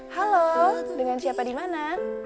halo dengan siapa dimana